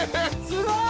すごい！